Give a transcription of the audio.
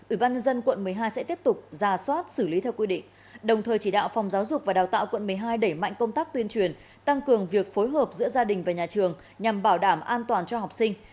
ủy ban nhân dân quận một mươi hai sẽ tiếp tục ra soát xử lý theo quy định đồng thời chỉ đạo phòng giáo dục và đào tạo quận một mươi hai đẩy mạnh công tác tuyên truyền tăng cường việc phối hợp giữa gia đình và nhà trường nhằm bảo đảm an toàn cho học sinh